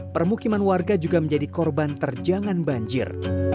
permukiman warga juga menjadi korban terjangan banjir